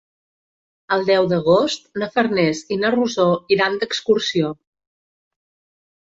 El deu d'agost na Farners i na Rosó iran d'excursió.